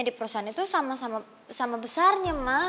di perusahaan itu sama sama besarnya mah